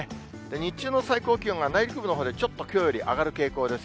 日中の最高気温は内陸部のほうでちょっときょうより上がる傾向です。